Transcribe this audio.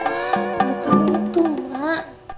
bukan itu mak